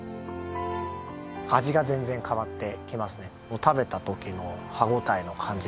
味が全然変わってきますね。